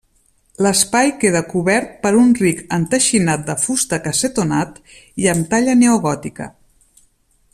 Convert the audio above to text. L'espai queda cobert per un ric enteixinat de fusta cassetonat i amb talla neogòtica.